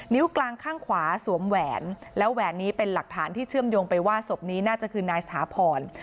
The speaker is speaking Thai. กลางข้างขวาสวมแหวนแล้วแหวนนี้เป็นหลักฐานที่เชื่อมโยงไปว่าศพนี้น่าจะคือนายสถาพร